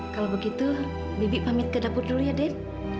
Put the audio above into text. kalau begitu bibit pamit ke dapur dulu ya den